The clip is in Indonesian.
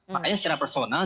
makanya secara personal